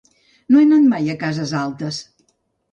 No he anat mai a Cases Altes.